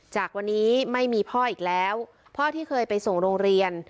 จากวันนี้ไม่มีพ่ออีกแล้วพ่อที่เคยไปส่งโรงเรียน